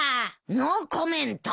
ノーコメント。